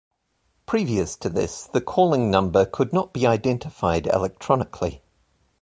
Previous to this, the calling number could not be identified electronically.